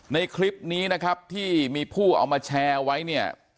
ในคลิปนี้นะครับที่มีผู้เอามาแชร์ไว้เนี่ย